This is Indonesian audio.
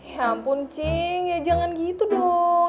ya ampun cing ya jangan gitu dong